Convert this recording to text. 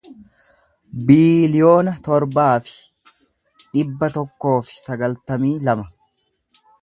biiliyoona torbaa fi dhibba tokkoo fi sagaltamii lama